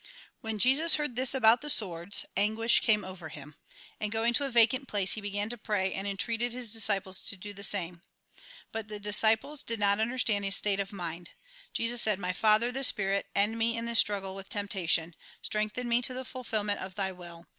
When Jesus heard this about the swords, anguish came over him. And going to a vacant place, he began to pray, and entreated his disciples to do the same. Bat the disciples did not imderstand his state of mind. Jesus said :" My Father, the Spirit, end in me this struggle with temptation. Strengthen me to the fulfilment of Thy will.